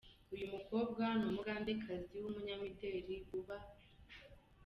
Uyu mukobwa ni Umugandekazi wumunyamideli uba.